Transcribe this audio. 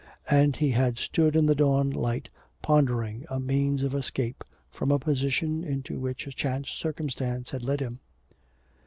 And he had stood in the dawn light pondering a means of escape from a position into which a chance circumstance had led him.